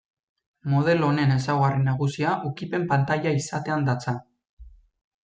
Modelo honen ezaugarri nagusia ukipen-pantaila izatean datza.